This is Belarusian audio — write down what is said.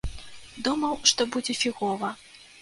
Думаў, што будзе фігова.